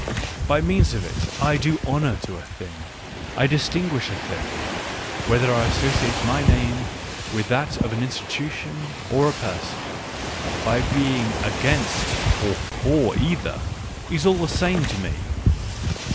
By means of it, I do honour to a thing, I dis tinguish a thing ; whether I associate my name with that of an institution or a person, by being against ox for either, is all the same to me.